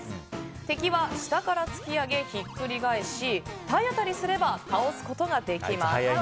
敵は下から突き上げひっくり返し体当たりすれば倒すことができます。